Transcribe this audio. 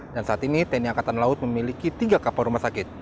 dan saat ini tni angkatan laut memiliki tiga kapal rumah sakit